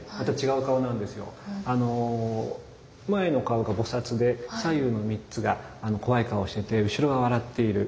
前の顔が菩で左右の３つが怖い顔してて後ろが笑っている。